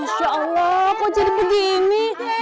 insya allah kok jadi begini